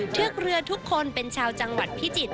เชือกเรือทุกคนเป็นชาวจังหวัดพิจิตร